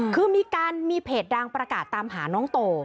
คือมีการมีเพจดังประกาศตามหาน้องโต